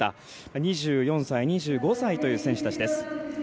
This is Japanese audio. ２４歳、２５歳という選手たちです。